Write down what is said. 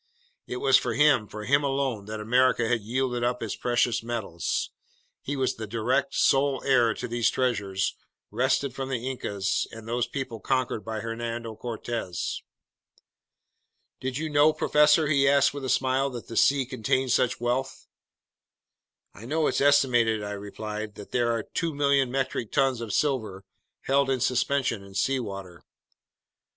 It was for him, for him alone, that America had yielded up its precious metals. He was the direct, sole heir to these treasures wrested from the Incas and those peoples conquered by Hernando Cortez! "Did you know, professor," he asked me with a smile, "that the sea contained such wealth?" "I know it's estimated," I replied, "that there are 2,000,000 metric tons of silver held in suspension in seawater."